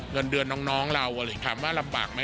เงินเดือนน้องเราหรือถามว่ารำบากมั้ย